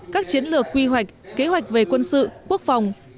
các chiến lược quy hoạch kế hoạch về quân sự quốc phòng